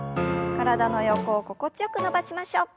体の横を心地よく伸ばしましょう。